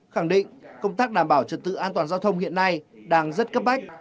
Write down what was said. khẳng định công tác đảm bảo trật tự an toàn giao thông hiện nay đang rất cấp bách